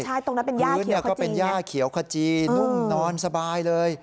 ใช่ตรงนั้นเป็นย่าเขียวขจีนุ่มนอนสบายเลย